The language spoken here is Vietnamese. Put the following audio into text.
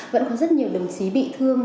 vẫn có rất nhiều đồng chí bị thương